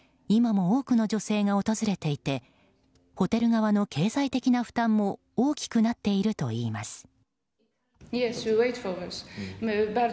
今も多くの女性が訪れていてホテル側の経済的な負担も大きくなっているといいます。